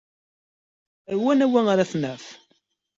Ar wanwa ara t-naf?